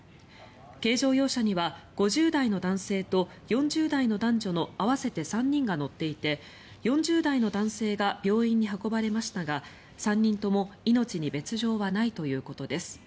軽乗用車には５０代の男性と４０代の男女の合わせて３人が乗っていて４０代の男性が病院に運ばれましたが３人とも命に別条はないということです。